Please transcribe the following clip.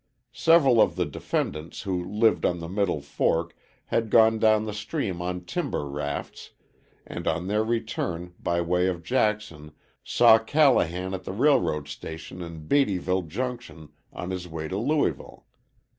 Several of the defendants who lived on the Middle Fork, had gone down the stream on timber rafts and on their return by way of Jackson saw Callahan at the railroad station at Beattyville Junction on his way to Louisville.